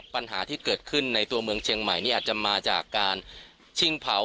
ปัญหาที่เกิดขึ้นในตัวเมืองเชียงใหม่นี่อาจจะมาจากการชิงเผา